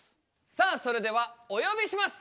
さあそれではお呼びします！